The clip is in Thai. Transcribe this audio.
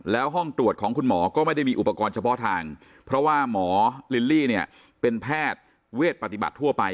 แล้วห้องตรวจของคุณหมอก็ไม่ได้มีอุปกรณ์เฉพาะทางเพราะว่าหมอลิลลี่เนี่ยเป็นแพทย์เวทปฏิบัติทั่วไป